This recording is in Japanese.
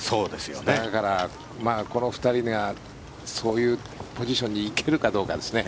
だから、この２人はそういうポジションに行けるかどうかですね。